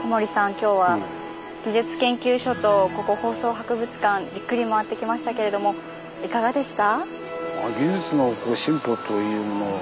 今日は技術研究所とここ放送博物館じっくり回ってきましたけれどもいかがでした？